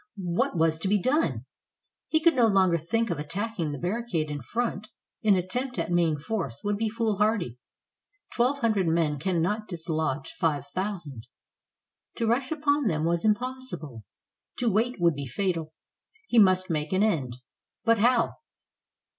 What was to be done? He could no longer think of at tacking the barricade in front ; an attempt at main force would be foolhardy: twelve hundred men cannot dis lodge five thousand. To rush upon them was impossible; to wait would be fatal. He must make an end. But how?